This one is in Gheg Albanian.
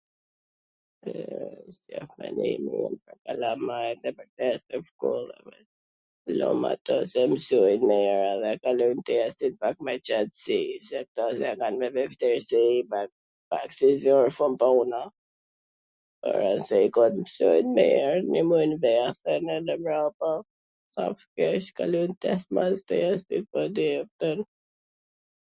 kalamajt kur kthehen nga shkolla ... lum ato se msojn mir edhe kalojn testet pak me qetsi, kan e dhe vshtirsi, pak si zor shkon puna, ... msojn mir, nimojn vehten ene prapa, s asht keq kalojn test mbas testi ...